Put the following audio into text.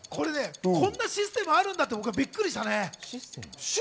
そんなシステムあるんだって、びっくりしたね。